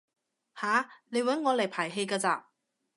吓？你搵我嚟排戲㗎咋？